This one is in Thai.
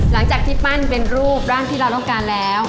หลังจากที่ปั้นเป็นรูปร่างที่เราต้องการแล้ว